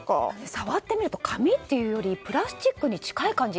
触ってみると紙というよりプラスチックに近い感じ。